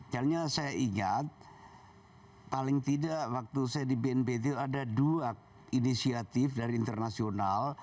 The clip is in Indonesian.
karena saya ingat paling tidak waktu saya di bnpt itu ada dua inisiatif dari internasional